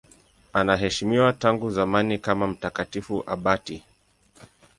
Anaheshimiwa tangu zamani kama mtakatifu abati.